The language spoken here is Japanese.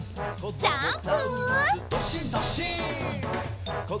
ジャンプ！